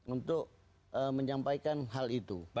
untuk menyampaikan hal itu